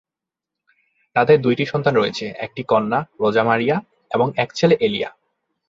তাদের দুটি সন্তান রয়েছে একটি কন্যা, রোজা মারিয়া এবং এক ছেলে এলিয়া।